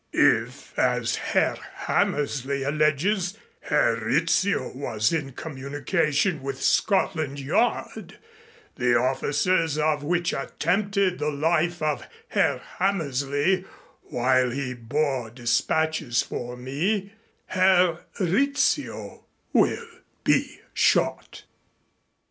If, as Herr Hammersley alleges, Herr Rizzio was in communication with Scotland Yard, the officers of which attempted the life of Herr Hammersley while he bore dispatches for me, Herr Rizzio will be shot.